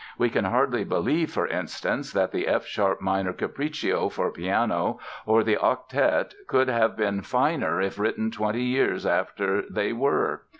We can hardly believe, for instance, that the F sharp minor Capriccio for piano or the Octet could have been finer if written twenty years after they were.